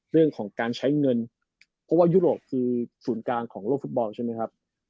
เรื่องของการใช้เงินเพราะว่ายุโรปคือศูนย์กลางของโลกฟุตบอลใช่ไหมครับ